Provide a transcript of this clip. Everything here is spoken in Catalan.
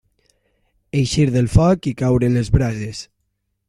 Eixir del foc i caure en les brases.